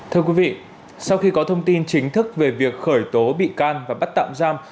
thưa quý vị sau khi có thông tin chính thức về việc khởi tố bị can và bắt tạm giam